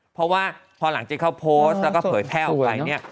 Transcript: เพราะว่าพอหลังเจนเข้าโพสต์และเผยแทร่ออกไป